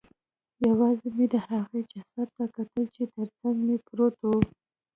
یوازې مې د هغې جسد ته کتل چې ترڅنګ مې پروت و